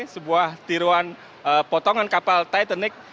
sebuah tiruan potongan kapal titanic